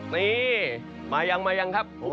นี่มายังครับ